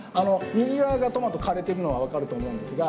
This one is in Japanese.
右側がトマト枯れてるのは分かると思うんですが。